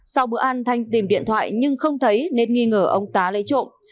sau bữa ăn thanh tìm điện thoại nhưng không thấy nên nghi ngờ ông tá lấy trộm